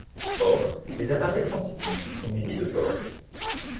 Or, les appareils sensitifs sont munis de pores.